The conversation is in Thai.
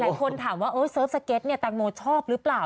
หลายคนถามว่าเสิร์ฟสเก็ตเนี่ยแตงโมชอบหรือเปล่า